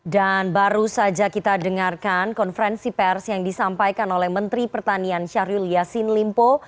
dan baru saja kita dengarkan konferensi pers yang disampaikan oleh menteri pertanian syahrul yassin limpo